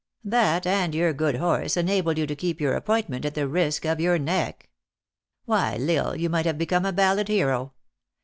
That and your good horse enabled you to keep your ap pointment at the risk of your neck. Why, L Isle, you might have become a ballad hero.